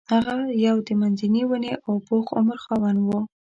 هغه یو د منځني ونې او پوخ عمر خاوند و.